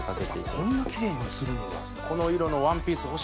こんなキレイに移るんや。